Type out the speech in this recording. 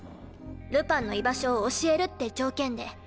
ルパンの居場所を教えるって条件で。